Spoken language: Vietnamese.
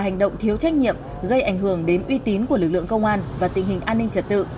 nếu trách nhiệm gây ảnh hưởng đến uy tín của lực lượng công an và tình hình an ninh trật tự